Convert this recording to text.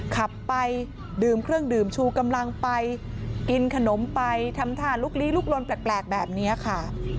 ขับไปดื่มเครื่องดื่มชูกำลังไปกินขนมไปทำท่าลุกลี้ลุกลนแปลกแบบนี้ค่ะ